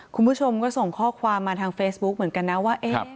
คุณผู้ชมก็ส่งข้อความมาทางเฟซบุ๊กเหมือนกันนะว่า